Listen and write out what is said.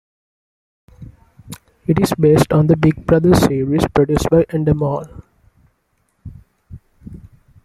It is based on the "Big Brother" series produced by Endemol.